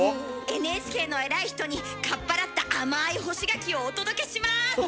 ＮＨＫの偉い人にかっ払った甘い干し柿をお届けします！